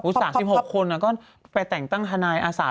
อุตส่าห์๑๖คนก็ไปแต่งตั้งธนายอาศาล